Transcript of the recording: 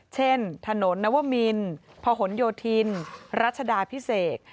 ถนนนวมินพหนโยธินรัชดาพิเศษ